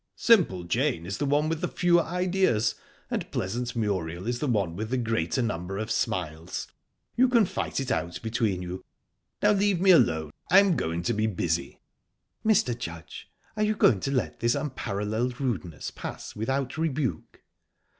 "Simple Jane is the one with the fewer ideas, and pleasant Muriel is the one with the greater number of smiles. You can fight it out between you...Now leave me alone. I'm going to be busy." "Mr. Judge, are you going to let this unparalleled rudeness pass without rebuke?"